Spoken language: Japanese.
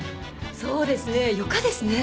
そうですね。よかですね。